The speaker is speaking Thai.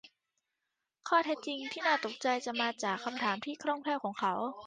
ข้อเท็จจริงที่น่าตกใจจะมาจากคำถามที่คล่องแคล่วของเขา